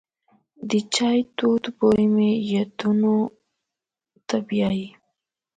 د چای تود بوی مې یادونو ته بیایي.